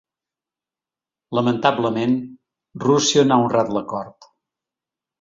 Lamentablement, Rússia no ha honrat l’acord.